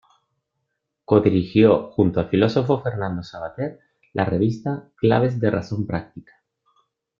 Codirigió, junto al filósofo Fernando Savater, la revista "Claves de Razón Práctica".